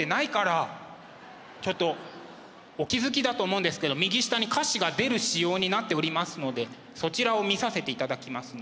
ちょっとお気付きだと思うんですけど右下に歌詞が出る仕様になっておりますのでそちらを見させていただきますね。